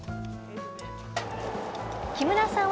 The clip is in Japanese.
木村さん